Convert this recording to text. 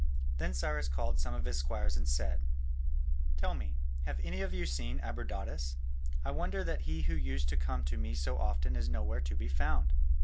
Then Cyrus called some of his squires and said: "Tell me, have any of you seen Abradatas? I wonder that he who used to come to me so often is nowhere to be found."